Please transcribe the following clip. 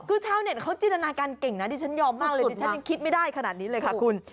คือชาวเน็ตเขาจินตนาการเก่งนะดิฉันยอมมากเลยดิฉันยังคิดไม่ได้ขนาดนี้เลยค่ะคุณ